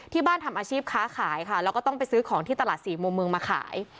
ทำอาชีพค้าขายค่ะแล้วก็ต้องไปซื้อของที่ตลาดสี่มุมเมืองมาขาย